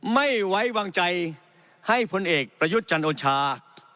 ไม่ไว้วางใจให้พลเอกประยุทธ์จันโอชา